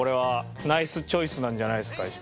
ナイスチョイスなんじゃないですか石川さん。